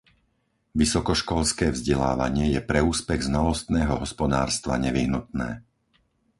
Vysokoškolské vzdelávanie je pre úspech znalostného hospodárstva nevyhnutné.